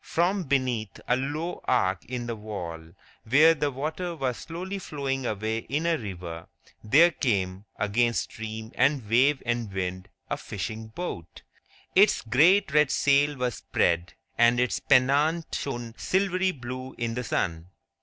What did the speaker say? From beneath a low arch in the wall, where the water was slowly flowing away in a river, there came, against stream and wave and wind, a fishing boat. Its great red sail was spread, and its pennant shone silvery blue in the sun.